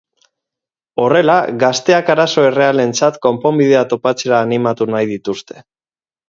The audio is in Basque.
Horrela, gazteak arazo errealentzat konponbidea topatzera animatu nahi dituzte.